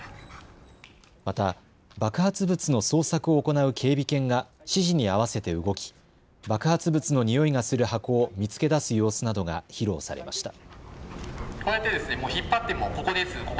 また爆発物の捜索を行う警備犬が指示に合わせて動き爆発物の臭いがする箱を見つけ出す様子などが披露されました。